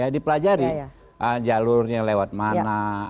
di pelajari jalurnya lewat mana